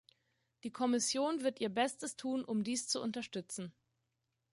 Die Kommission wird ihr Bestes tun, um dies zu unterstützen.